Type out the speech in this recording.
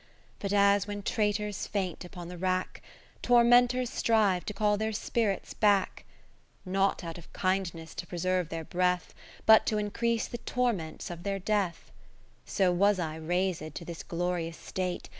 But as when traitors faint upon the rack, Tormenters strive to call their spirits back ; Not out of kindness to preserve their breath. But to increase the torments of their Death : So was I raised to this glorious state.